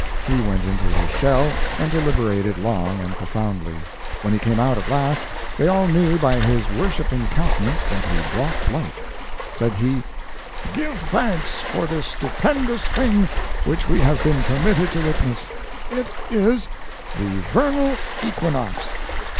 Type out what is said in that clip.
He went into his shell and deliberated long and profoundly. When he came out at last, they all knew by his worshiping countenance that he brought light. Said he: "Give thanks for this stupendous thing which we have been permitted to witness. It is the Vernal Equinox!"